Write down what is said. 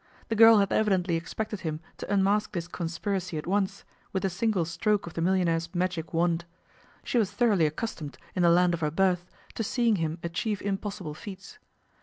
The girl had evidently expected him to unmask this conspiracy at once, with a single stroke of the millionaire's magic wand. She was thoroughly accustomed, in the land of her birth, to seeing him achieve impossible feats.